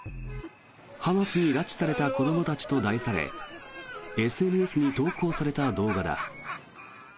ハマスに拉致された子どもたちと題されＳＮＳに投稿された動画だ。